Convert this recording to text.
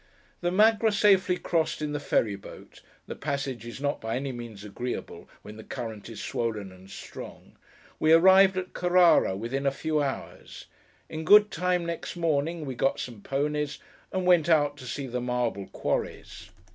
The Magra safely crossed in the Ferry Boat—the passage is not by any means agreeable, when the current is swollen and strong—we arrived at Carrara, within a few hours. In good time next morning, we got some ponies, and went out to see the marble quarries.